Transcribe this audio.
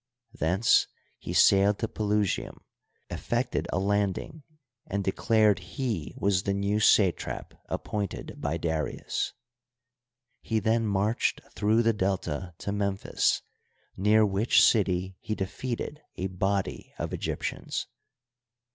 Thence he sailed to Pelusium, effected a landing, and de clared he was the new satrap appointed by Darius. He then marched through the Delta to Memphis, near which city he defeated a body of Egyptians.